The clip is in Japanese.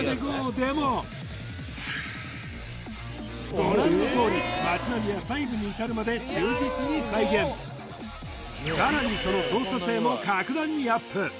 でもご覧のとおり町並みは細部にいたるまで忠実に再現さらにその操作性も格段にアップ